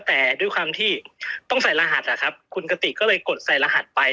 แต่ด้วยความที่ต้องใส่รหัสคุณกติกก็เลยกดใส่รหัสไป